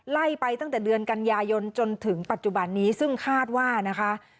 ไล่ไปตั้งแต่เดือนกันยายนจนถึงปัจจุบันนี้ซึ่งคาดว่านะคะ